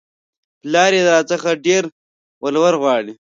پلار يې راڅخه ډېر ولور غواړي